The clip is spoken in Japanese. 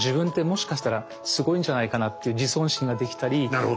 なるほど。